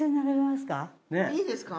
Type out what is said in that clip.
いいですか？